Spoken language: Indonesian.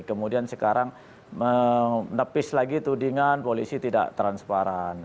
kemudian sekarang menepis lagi tudingan polisi tidak transparan